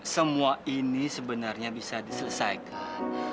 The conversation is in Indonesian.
semua ini sebenarnya bisa diselesaikan